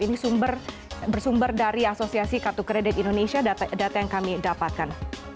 ini bersumber dari asosiasi kartu kredit indonesia data yang kami dapatkan